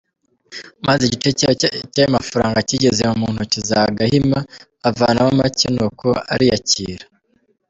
Maze igice cy’ayo mafaranga kigeze mu ntoki za Gahima, avanamo make nuko ariyakira.